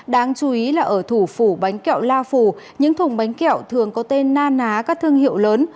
đáng chú ý là ở thủ phủ bánh kẹo la phù những thùng bánh kẹo thường có tên na ná các thương hiệu lớn